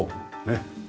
ねっ。